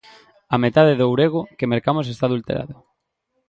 A metade do ourego que mercamos está adulterado.